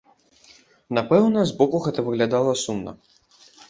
Напэўна, з боку гэта выглядала сумна.